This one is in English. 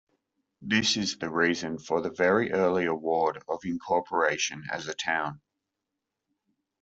This is the reason for the very early award of incorporation as a town.